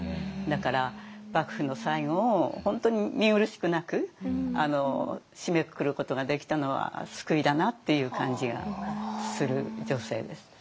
だから幕府の最後を本当に見苦しくなく締めくくることができたのは救いだなっていう感じがする女性です。